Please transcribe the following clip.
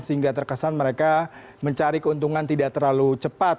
sehingga terkesan mereka mencari keuntungan tidak terlalu cepat